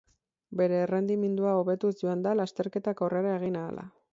Bere errendimendua hobetuz joan da lasterketak aurrera egin ahala.